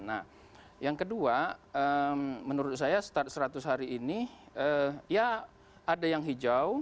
nah yang kedua menurut saya seratus hari ini ya ada yang hijau